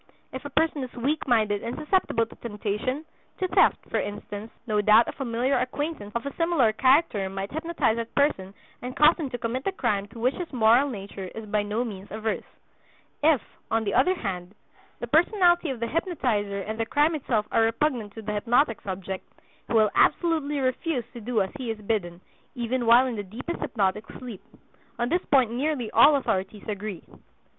If a person is weak minded and susceptible to temptation, to theft, for instance, no doubt a familiar acquaintance of a similar character might hypnotize that person and cause him to commit the crime to which his moral nature is by no means averse. If, on the other hand, the personality of the hypnotizer and the crime itself are repugnant to the hypnotic subject, he will absolutely refuse to do as he is bidden, even while in the deepest hypnotic sleep. On this point nearly all authorities agree.